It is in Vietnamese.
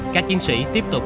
các chiến sĩ tiếp tục